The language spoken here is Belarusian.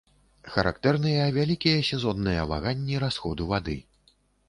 Характэрныя вялікія сезонныя ваганні расходу вады.